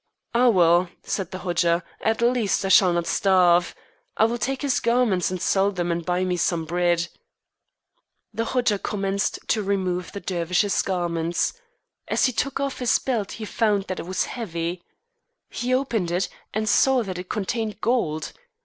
"Ah, well," said the Hodja, "at least I shall not starve. I will take his garments and sell them and buy me some bread." The Hodja commenced to remove the Dervish's garments. As he took off his belt he found that it was heavy. He opened it, and saw that it contained gold.